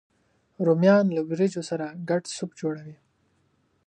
رومیان له ورېجو سره ګډ سوپ جوړوي